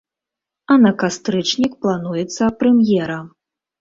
А на кастрычнік плануецца прэм'ера.